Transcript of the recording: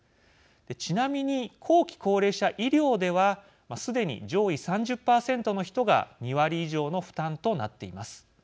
ちなみに、後期高齢者医療ではすでに上位３０％の人が２割以上の負担となっています。